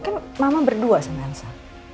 ya kan mama berdua sama elsa